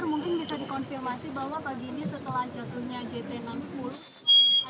mungkin bisa dikonfirmasi bahwa